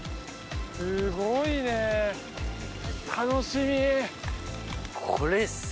すごいね楽しみ！